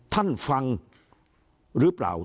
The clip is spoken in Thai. ท่านฟังหรือเปล่า